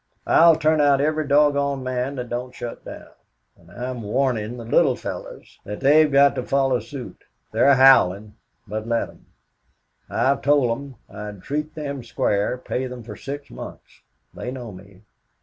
I'll turn out every doggone man that don't shut down. And I'm warnin' the little fellows that they've got to follow suit. They're howling, but let 'em. I have told them I'd treat them square, pay them for six months. They know me.